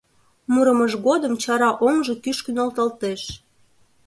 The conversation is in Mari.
Мурымыж годым чара оҥжо кӱшкӧ нӧлталтеш.